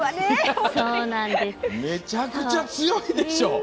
めちゃくちゃ強いでしょ。